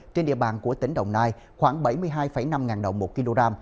trên địa bàn của tỉnh đồng nai khoảng bảy mươi hai năm đồng một kg